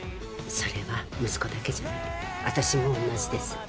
それは息子だけじゃない私も同じです。